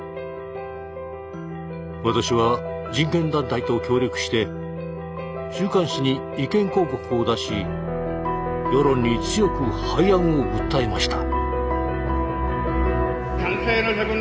私は人権団体と協力して週刊誌に意見広告を出し世論に強く廃案を訴えました。